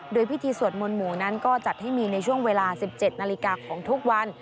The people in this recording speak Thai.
โดยพิธีสวดมนต์หมู่นั้นก็จัดให้มีในช่วงเวลา๑๗นาฬิกาของทุกวัน